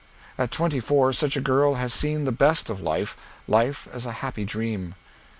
At twenty four, such a girl has seen the best of life life as a happy dream.